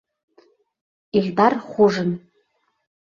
Илдар ХУЖИН.